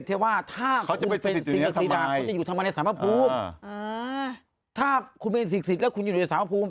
ถ้าคุณเป็นศิกษิษฐ์แล้วคุณอยู่ในสรรพภูมิ